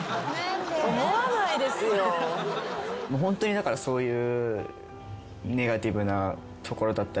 ホントにだからそういう。